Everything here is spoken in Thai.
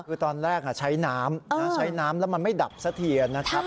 คือตอนแรกใช้น้ำแล้วมันไม่ดับเสมอนะครับ